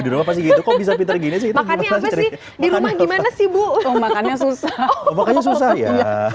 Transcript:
dulu pasti gitu kok bisa pinter gini sih makanya apa sih di rumah gimana sih bu makanya susah ya